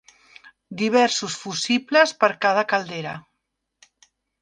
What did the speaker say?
Diversos fusibles per cada caldera.